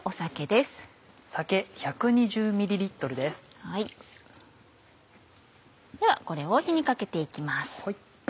ではこれを火にかけて行きます。